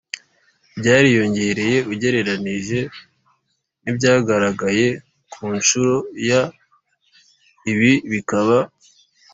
Byariyongereye ugereranije n ibyagaragaye ku nshuro ya ibi bikaba